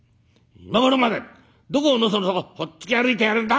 『今頃までどこをのそのそほっつき歩いてやがるんだ！』